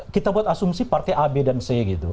kita buat asumsi partai a b dan c gitu